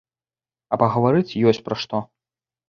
А пагаварыць ёсць пра што.